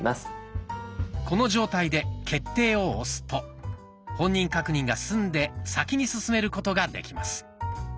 この状態で「決定」を押すと本人確認が済んで先に進めることができます。